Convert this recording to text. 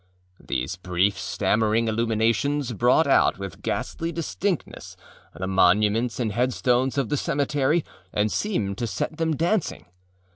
These brief, stammering illuminations brought out with ghastly distinctness the monuments and headstones of the cemetery and seemed to set them dancing.